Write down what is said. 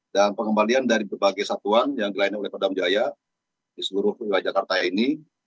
dan pengembalian dari berbagai satuan yang dilayani oleh paldam jaya di seluruh wilayah jakarta ini